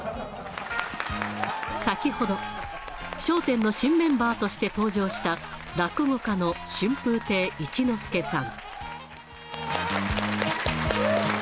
先ほど、笑点の新メンバーとして登場した、落語家の春風亭一之輔さん。